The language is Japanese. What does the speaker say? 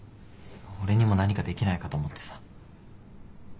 俺にも何かできないかと思ってさ。